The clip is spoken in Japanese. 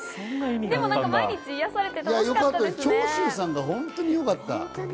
毎日癒やされて楽しかったで長州さんが本当によかった。